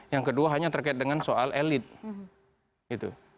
yang kedua hanya terkait dengan soal elit